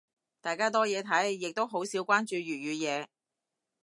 大家多嘢睇，亦都好少關注粵語嘢。